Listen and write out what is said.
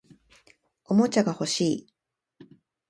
おもちゃが欲しい